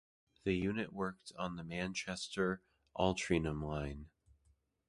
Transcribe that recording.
The unit worked on the Manchester - Altrincham line.